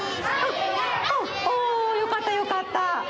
およかったよかった。